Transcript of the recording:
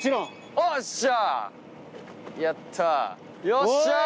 よっしゃ！